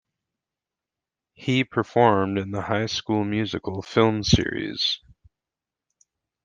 He performed in the "High School Musical" film series.